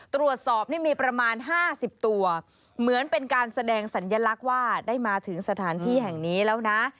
ตรวจสอบนี่มีประมาณ๕๐ตัวเหมือนเป็นการแสดงสัญลักษณ์ว่าได้มาถึงสถานที่แห่งนี้แล้วนะ